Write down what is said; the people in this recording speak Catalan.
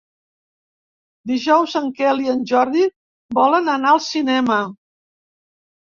Dijous en Quel i en Jordi volen anar al cinema.